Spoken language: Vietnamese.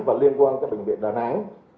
và liên quan các bệnh viện đà nẵng